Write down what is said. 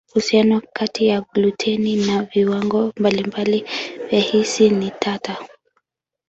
Uhusiano kati ya gluteni na viwango mbalimbali vya hisi ni tata.